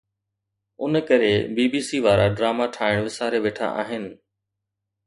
ان ڪري B B C وارا drama ٺاهڻ وساري ويٺا آهن